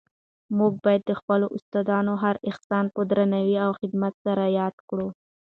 موږ باید د خپلو استادانو هر احسان په درناوي او خدمت سره یاد کړو.